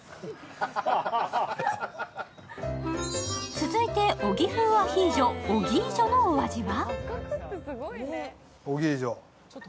続いて、小木風アヒージョオギージョのお味は？